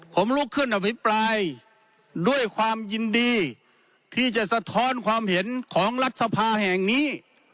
ผมลุกขึ้นอภิปรายด้วยความยินดีที่จะสะท้อนความเห็นของรัฐสภาแห่งนี้